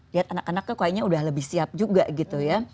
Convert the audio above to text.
lihat anak anaknya kayaknya udah lebih siap juga gitu ya